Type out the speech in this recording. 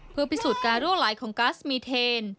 เพื่อพิสูจน์การรั่วไหลของก๊าซมีเทน